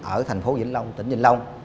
ở thành phố vĩnh long tỉnh vĩnh long